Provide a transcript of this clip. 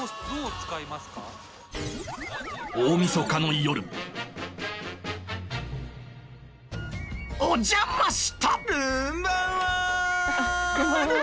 大みそかの夜お邪魔した！